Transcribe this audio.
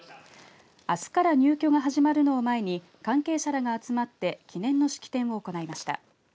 あすから入居が始まるのを前に関係者が集まって記念の式典を行いました。